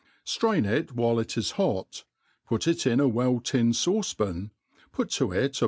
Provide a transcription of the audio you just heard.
Straim it while it is hot, put it in a well tinned fauce pan, put to it a